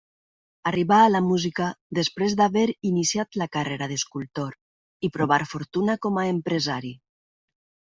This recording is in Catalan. Arribà a la música després d'haver iniciat la carrera d'escultor i provar fortuna com empresari.